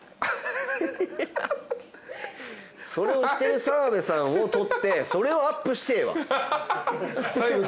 それをしてる澤部さんを撮ってそれをアップしてえわ。